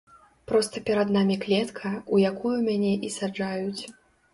Проста перад намі клетка, у якую мяне і саджаюць.